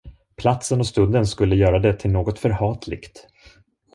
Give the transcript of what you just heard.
Platsen och stunden skulle göra det till något förhatligt.